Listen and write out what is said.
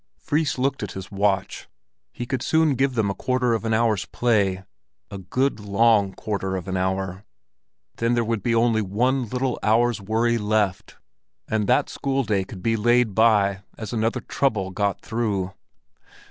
Fris looked at his watch; he could soon give them a quarter of an hour's play, a good long quarter of an hour. Then there would only be one little hour's worry left, and that school day could be laid by as another trouble got through.